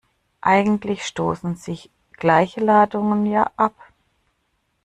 Eigentlich stoßen sich gleiche Ladungen ja ab.